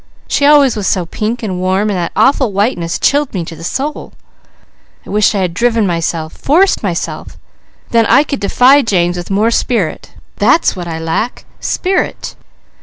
She always was so pink and warm, and that awful whiteness chilled me to the soul. I wish I had driven, forced myself! Then I could defy James with more spirit. That's what I lack _spirit!